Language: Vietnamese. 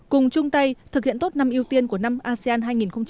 cùng chung tay thực hiện tốt năm ưu tiên của năm asean hai nghìn hai mươi